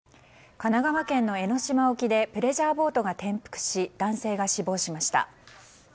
神奈川県の江の島沖でプレジャーボートが転覆し男性が死亡しました。